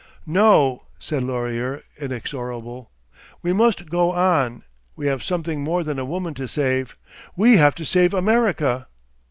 "No!" said Laurier inexorable. "We must go on! We have something more than a woman to save. We have to save America!"